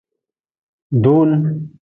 Dun.